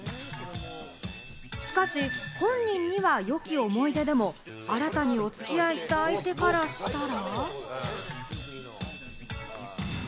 しかし、本人には良き思い出でも、新たにお付き合いした相手からしたら。